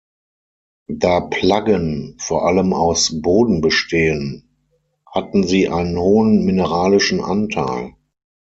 Da Plaggen vor allem aus Boden bestehen, hatten sie einen hohen mineralischen Anteil.